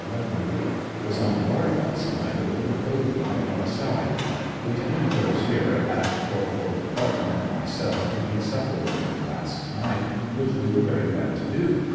— Was on guard last ni<,ht over the clothing outside. Lieut. Bossieux asked Corp. McCarten and myself to eat supper with him last night, which we w^ere very glad to do